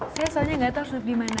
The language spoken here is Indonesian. saya soalnya nggak tahu shift di mana